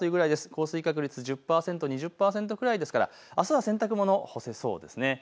降水確率１０％から２０％くらいですので洗濯物、干せそうです。